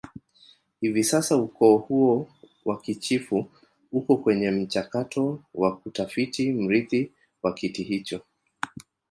Hivi sasa ukoo huo wakichifu uko kwenye mchakato wa kutafiti mrithi wa kiti hicho